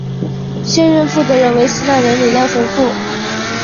现任负责人为希腊人李亮神父。